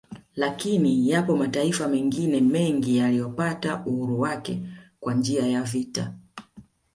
Lakini yapo mataifa mengine mengi yaliyopata uhuru wake kwa njia ya vita